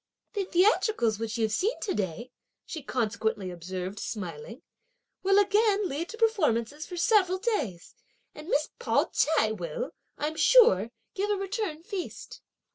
"The theatricals which you've seen to day," she consequently observed smiling, "will again lead to performances for several days, and Miss Pao ch'ai will, I'm sure, give a return feast."